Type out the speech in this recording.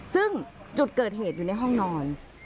ซึ่งจุดเกิดเหตุอยู่ในห้องนอน